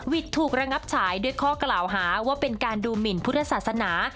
ถูกระงับฉายด้วยข้อกล่าวหาว่าเป็นการดูหมินพุทธศาสนา